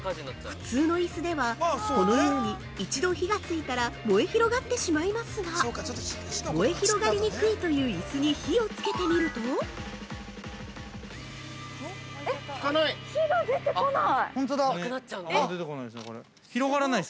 ◆普通のイスでは、このように一度火がついたら燃え広がってしまいますが燃え広がりにくいというイスに火をつけてみると◆あっ、火が出てこない！